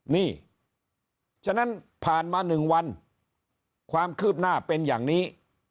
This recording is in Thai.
นี่ฉะนั้นผ่านมา๑วันความคืบหน้าเป็นอย่างนี้